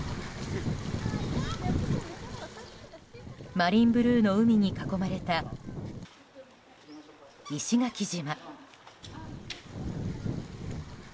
マリンブルーの海に囲まれた石垣島。